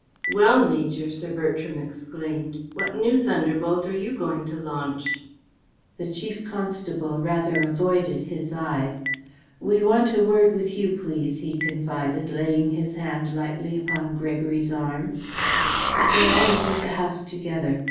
"Well, Major?" Sir Bertram exclaimed. "What new thunderbolt are you going to launch?" The Chief Constable rather avoided his eyes. "We want a word with you, please," he confided, laying his hand lightly upon Gregory's arm. They all entered the house together.